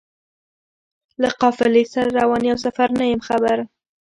له قافلې سره روان په سفر نه یم خبر